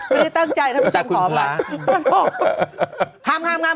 ไม่ได้ตั้งใจทำให้ชมขอไหม